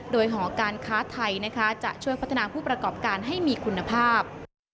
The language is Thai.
โดยหอการค้าไทยจะช่วยพัฒนาผู้ประกอบการให้มีคุณภาพ